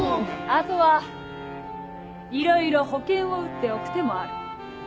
あとはいろいろ保険を打っておく手もある。